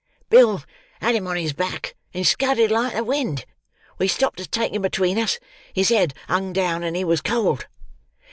"Bill had him on his back, and scudded like the wind. We stopped to take him between us; his head hung down, and he was cold.